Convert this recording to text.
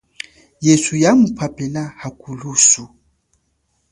Yesu yamuphaphila, hakulusu.